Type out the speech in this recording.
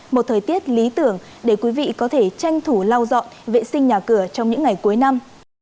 một thời tiết lý tưởng để quý vị có thể tranh thủ lau dọn vệ sinh nhà cửa trong những ngày cuối năm